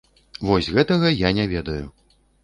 Вось гэтага я не ведаю!